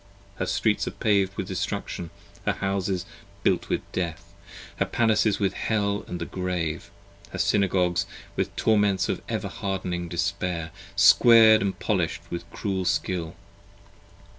Her Streets are paved with Destruction, her Houses built with Death, Her Palaces with Hell & the Grave; her Synagogues with Torments 35 Of ever hardening Despair, squar'd & polish'd with cruel skill.